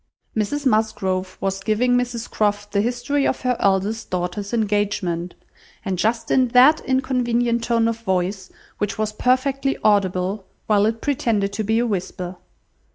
Mrs Musgrove was giving Mrs Croft the history of her eldest daughter's engagement, and just in that inconvenient tone of voice which was perfectly audible while it pretended to be a whisper.